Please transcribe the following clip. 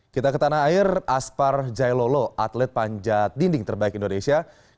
kita ke tanah air aspar jailolo atlet panjat dinding terbaik indonesia